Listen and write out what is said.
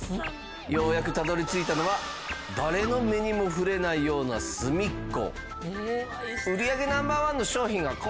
ようやくたどり着いたのは誰の目にも触れないような隅っこ。